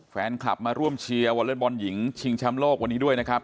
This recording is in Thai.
แฟนคลับมาร่วมเชียร์วอเล็กบอลหญิงชิงแชมป์โลกวันนี้ด้วยนะครับ